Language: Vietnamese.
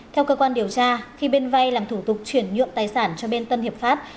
theo cơ quan điều tra khi bên vay làm thủ tục chuyển nhượng tài sản cho bên tân hiệp pháp